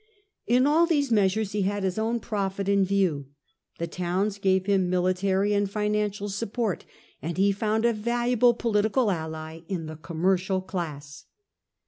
In all these measures he had his own profit in view. The towns gave him military and financial support, and he found a valuable political ally in the commercial class.